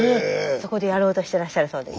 そこでやろうとしてらっしゃるそうです。